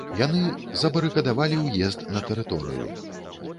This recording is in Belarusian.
Яны забарыкадавалі ўезд на тэрыторыю.